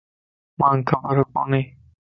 مانک خبر ڪوني